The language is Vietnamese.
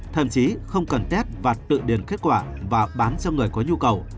thậm chí không cần test và tự điền kết quả và bán cho người có nhu cầu